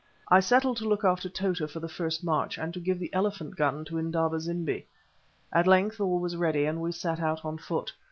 I settled to look after Tota for the first march, and to give the elephant gun to Indaba zimbi. At length all was ready, and we set out on foot.